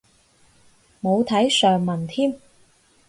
冇睇上文添